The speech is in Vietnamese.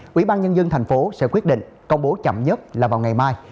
quỹ ban nhân dân tp hcm sẽ quyết định công bố chậm nhất là vào ngày mai